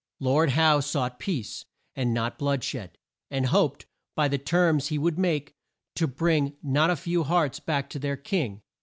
Lord Howe sought peace, and not blood shed, and hoped, by the terms he would make, to bring not a few hearts back to their King.